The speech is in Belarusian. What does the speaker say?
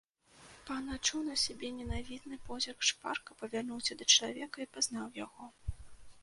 Пан адчуў на сабе ненавідны позірк, шпарка павярнуўся да чалавека і пазнаў яго.